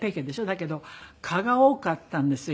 だけど蚊が多かったんですよ